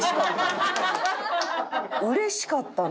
うれしかったな。